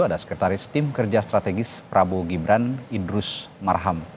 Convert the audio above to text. ada sekretaris tim kerja strategis prabowo gibran idrus marham